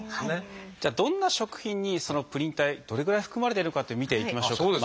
じゃあどんな食品にそのプリン体どれぐらい含まれてるかって見ていきましょうか。